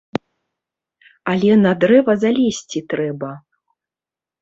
Але на дрэва залезці трэба.